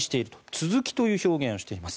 続きという表現をしています。